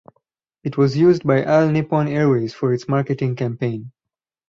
It was used by All Nippon Airways for its marketing campaign.